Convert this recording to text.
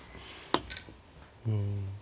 うん。